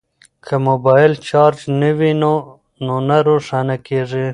که موبایل چارج نه وي نو نه روښانه کیږي.